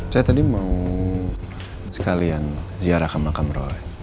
saya tadi mau sekalian ziarah ke makam roy